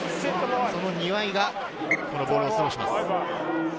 その庭井がボールを入れます。